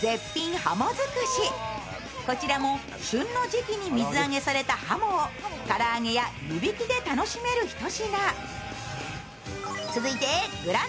はもづくし、こちらも旬の時期に水揚げされたはもを唐揚げや湯引きで楽しめるひと品。